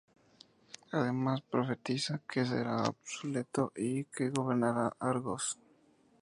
Además profetiza que será absuelto y que gobernará Argos.